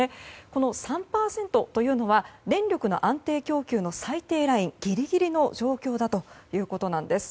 この３％というのは電力の安定供給の最低ライン、ギリギリの状況だということなんです。